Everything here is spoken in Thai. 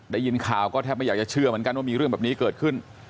ได้ยินข่าวก็แทบไม่อยากจะเชื่อเหมือนกันว่ามีเรื่องแบบนี้เกิดขึ้น